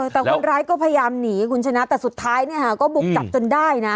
แต่คนร้ายก็พยายามหนีคุณชนะแต่สุดท้ายก็บุกจับจนได้นะ